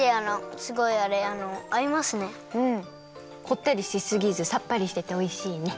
こってりしすぎずさっぱりしてておいしいね。